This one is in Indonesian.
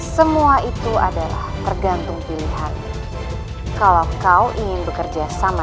gerbang itu ada tergantung willy kalau kau ingin bekerja sama